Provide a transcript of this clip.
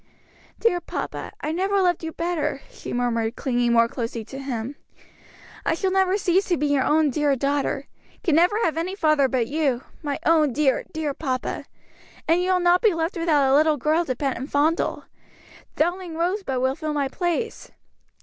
"Dear papa, I never loved you better," she murmured, clinging more closely to him. "I shall never cease to be your own dear daughter; can never have any father but you my own dear, dear papa. And you will not be left without a little girl to pet and fondle; darling Rosebud will fill my place."